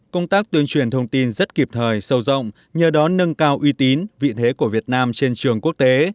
công tác tuyên truyền thông tin rất kịp thời sâu rộng nhờ đó nâng cao uy tín vị thế của việt nam trên trường quốc tế